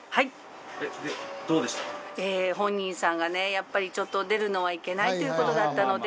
やっぱりちょっと出るのはいけないという事だったので。